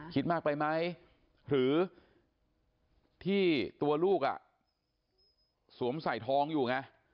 คิดมากไปไหมหรือที่ตัวลูกสวมใส่ท้องอยู่ไง